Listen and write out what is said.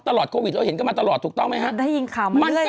ตลอดโควิดเราเห็นกันมาตลอดถูกต้องไหมฮะได้ยินข่าวมาเรื่อย